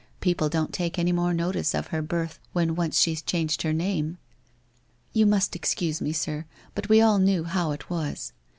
People don't take any more notice of her birth when once she's changed her name !" You must excuse me, sir, but we all knew how it was.